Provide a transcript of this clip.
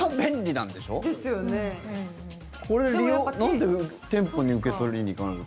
なんで店舗に受け取りに行かなきゃ。